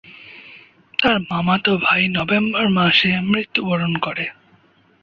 তার মামাতো ভাই নভেম্বর মাসে মৃত্যুবরণ করে।